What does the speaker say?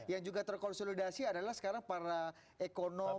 yang juga terkonsolidasi adalah sekarang para ekonom